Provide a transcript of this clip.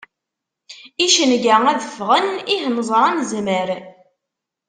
Icenga ad ffɣen, ih, neẓra nezmer.